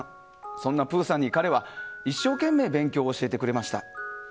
そんなぷぅさんに彼は一生懸命勉強を教えてくれました。